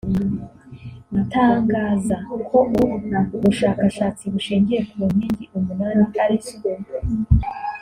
Itangaza ko ubu bushakashatsi bushingiye ku Nkingi umunani; arizo